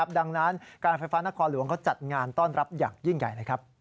ดังนั้นการไฟฟ้านครหลวงเขาจัดงานต้อนรับอย่างยิ่งใหญ่